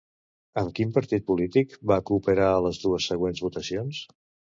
Amb quin partit polític va cooperar a les dues següents votacions?